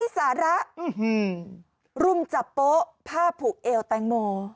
สาระรุมจับโป๊ะผ้าผูกเอวแตงโม